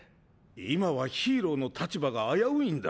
今はヒーローの立場が危ういんだ。